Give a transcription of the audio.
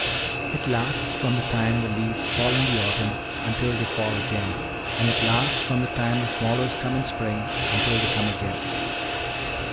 "It lasts from the time the leaves fall in the autumn until they fall again; and it lasts from the time the swallows come in spring until they come again."